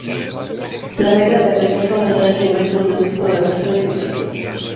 La meta de la creación fue aumentar el nivel futbolístico de la tercera división.